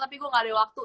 tapi gue gak ada waktu